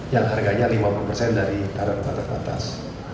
yang harganya lima puluh persen dari tarif batas atas